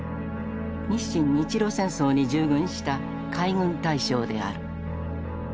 日清・日露戦争に従軍した海軍大将である。